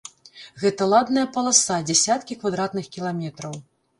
Гэта ладная паласа, дзясяткі квадратных кіламетраў.